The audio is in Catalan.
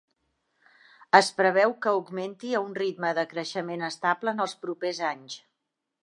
Es preveu que augmenti a un ritme de creixement estable en els propers anys.